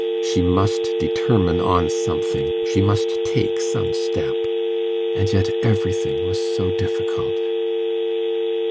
She must determine on something, she must take some step; and yet everything was so difficult.